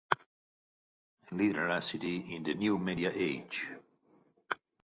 "Literacy in the new media age".